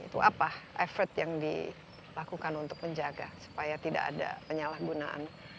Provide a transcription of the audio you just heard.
itu apa effort yang dilakukan untuk menjaga supaya tidak ada penyalahgunaan